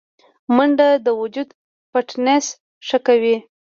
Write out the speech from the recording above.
منډه د وجود فټنس ښه کوي